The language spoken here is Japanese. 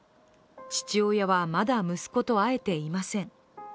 父親は、まだ息子と会えていません。